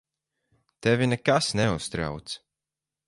Tevi nekas neuztrauc.